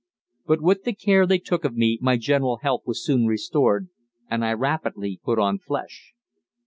But with the care they took of me my general health was soon restored, and I rapidly put on flesh.